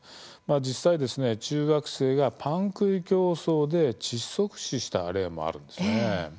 実際、中学生がパン食い競争で窒息死した例もあるんですね。